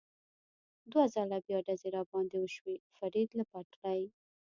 دوه ځله بیا ډزې را باندې وشوې، فرید له پټلۍ.